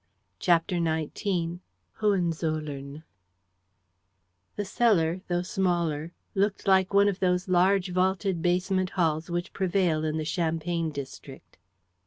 CHAPTER XIX HOHENZOLLERN The cellar, though smaller, looked like one of those large vaulted basement halls which prevail in the Champagne district.